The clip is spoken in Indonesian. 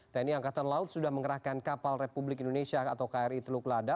tni angkatan laut sudah mengerahkan kapal republik indonesia atau kri teluk lada